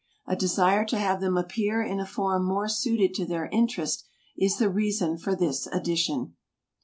A desire to have them appear in a form more suited to their interest is the reason for this edition.